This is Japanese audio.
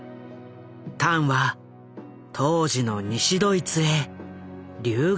タンは当時の西ドイツへ留学を果たす。